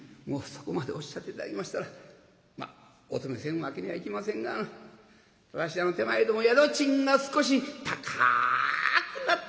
そこまでおっしゃって頂きましたらまあお泊めせんわけにはいきませんがわしらの手前ども宿賃が少し高くなってございますが」。